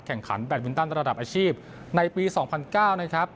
แข่งขันแบทวินตันระดับอาชีพในปี๒๐๐๙นะครับ